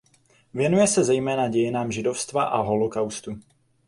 Věnuje se zejména dějinám židovstva a holokaustu.